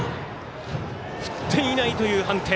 振っていないという判定！